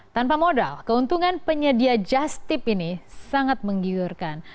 tanpa modal keuntungan penyedia just tip ini sangat menggiurkan